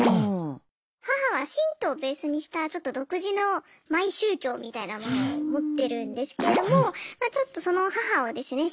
母は神道をベースにしたちょっと独自のマイ宗教みたいなものを持ってるんですけれどもその母をですね